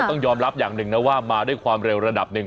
ต้องยอมรับอย่างหนึ่งนะว่ามาด้วยความเร็วระดับหนึ่ง